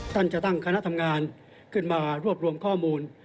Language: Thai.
ท่านจะตั้งคณะทำงานขึ้นมารวบรวมข้อมูล